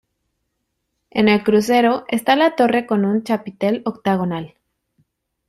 En el crucero, está la torre con un chapitel octogonal.